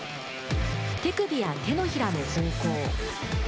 手首や手のひらの方向。